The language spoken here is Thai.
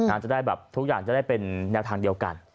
อาจจะได้แบบทุกอย่างจะได้เป็นแนวทางเดียวกัน